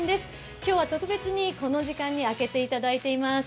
今日は特別にこの時間に開けていただいています。